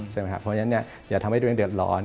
เพราะฉะนั้นอย่าทำให้ตัวเองเดือดร้อน